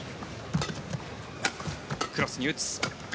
クロスに打つ。